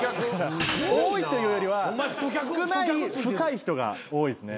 多いというよりは少ない・深い人が多いですね。